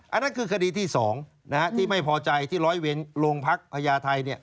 อันนั้นคือคดีที่สองนะฮะที่ไม่พอใจที่ร้อยเวียนโรงพักประยาทัยเนี่ย